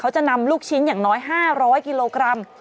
จะนำลูกชิ้นอย่างน้อย๕๐๐กิโลกรัม